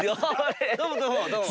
どうもどうもどうも。